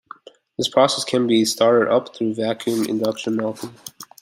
This process can be started up through vacuum induction melting.